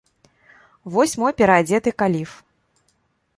Вось мой пераадзеты каліф!